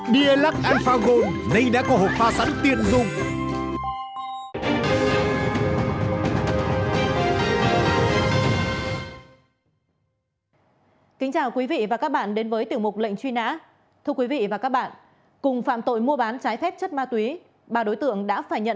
dialux alpha gold mới với công thức iq giúp tăng cân và chiều cao